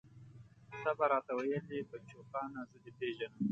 ته به راته ويلې بچوخانه زه دې پېژنم.